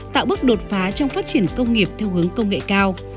tạo bước đột phá trong phát triển công nghiệp theo hướng công nghệ cao